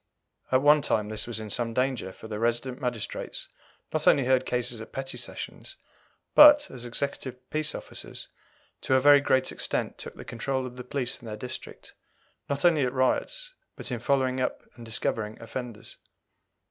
At one time this was in some danger, for the resident magistrates not only heard cases at petty sessions, but, as executive peace officers, to a very great extent took the control of the police in their district, not only at riots, but in following up and discovering offenders.